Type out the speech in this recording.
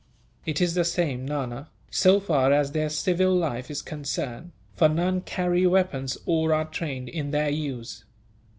"It is the same, Nana, so far as their civil life is concerned; for none carry weapons or are trained in their use.